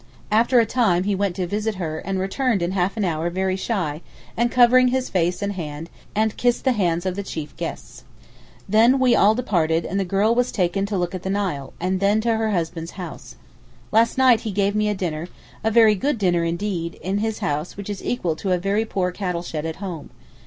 After a time he went to visit her and returned in half an hour very shy and covering his face and hand and kissed the hands of the chief guests. Then we all departed and the girl was taken to look at the Nile, and then to her husband's house. Last night he gave me a dinner—a very good dinner indeed, in his house which is equal to a very poor cattle shed at home.